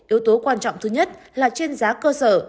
yếu tố quan trọng thứ nhất là trên giá cơ sở